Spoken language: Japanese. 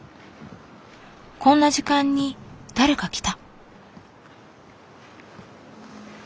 こんな時間に誰か来た。